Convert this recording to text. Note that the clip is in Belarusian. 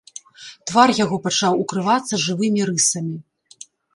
Твар яго пачаў укрывацца жывымі рысамі.